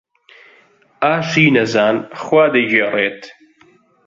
ئاشی نەزان خوا دەیگێڕێت.